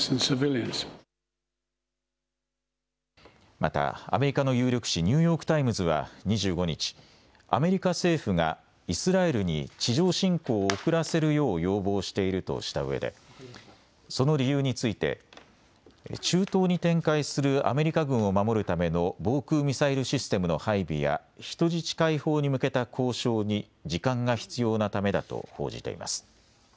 また、アメリカの有力紙ニューヨーク・タイムズは２５日アメリカ政府がイスラエルに地上侵攻を遅らせるよう要望しているとしたうえでその理由について中東に展開するアメリカ軍を守るための防空ミサイルシステムの配備や人質解放に向けた交渉に時間が必要なためだと報じています。